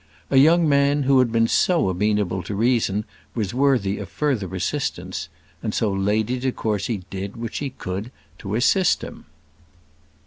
A young man who had been so amenable to reason was worthy of further assistance; and so Lady de Courcy did what she could to assist him.